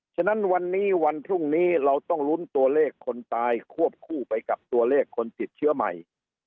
ฉะนั้นวันนี้วันพรุ่งนี้เราต้องลุ้นตัวเลขคนตายควบคู่ไปกับตัวเลขคนติดเชื้อใหม่